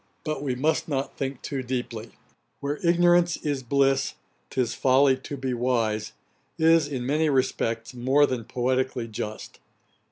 But we must not think too deeply; 'Where ignorance is bliss, 'tis folly to be wise,' is, in many respects, more than poetically just.